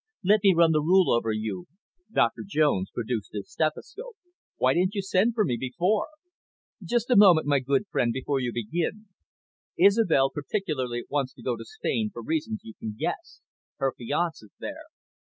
"Let me run the rule over you." Doctor Jones produced his stethoscope. "Why didn't you send for me before?" "Just a moment, my good old friend, before you begin. Isobel particularly wants to go to Spain for reasons you can guess her fiance's there.